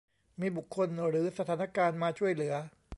มีบุคคลหรือสถานการณ์มาช่วยเหลือ